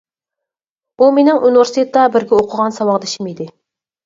ئۇ مېنىڭ ئۇنىۋېرسىتېتتا بىرگە ئوقۇغان ساۋاقدىشىم ئىدى.